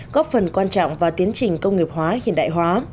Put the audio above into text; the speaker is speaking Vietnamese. góp phần quan trọng vào tiến trình công nghiệp hóa hiện đại hóa